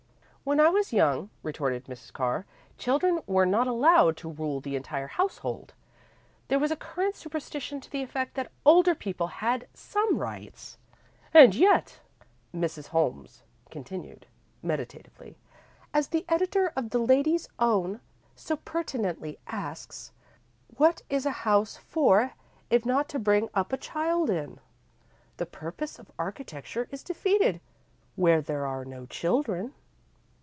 "When I was young," retorted Mrs. Carr, "children were not allowed to rule the entire household. There was a current superstition to the effect that older people had some rights." "And yet," Mrs. Holmes continued, meditatively, "as the editor of The Ladies' Own so pertinently asks, what is a house for if not to bring up a child in? The purpose of architecture is defeated, where there are no children."